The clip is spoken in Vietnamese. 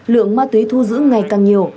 lượng ma túy thu giữ ngày càng nhiều